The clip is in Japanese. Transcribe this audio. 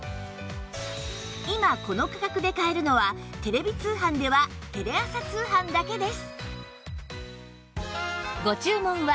今この価格で買えるのはテレビ通販ではテレ朝通販だけです